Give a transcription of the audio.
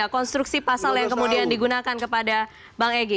konstruksi pasal yang kemudian digunakan kepada bang egy